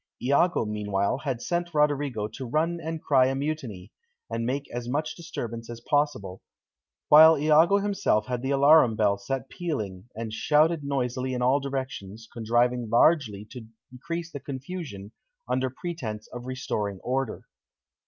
Iago, meanwhile, had sent Roderigo to run and cry a mutiny, and make as much disturbance as possible, while Iago himself had the alarum bell set pealing, and shouted noisily in all directions, contriving largely to increase the confusion, under pretence of restoring order.